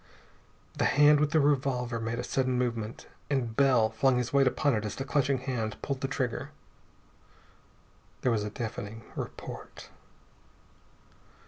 The hand with the revolver made a sudden movement, and Bell flung his weight upon it as the clutching hand pulled the trigger. There was a deafening report....